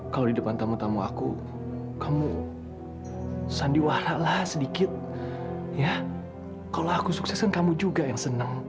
kalau di depan tamu tamu aku kamu sandiwara lah sedikit ya kalau aku sukses kan kamu juga yang senang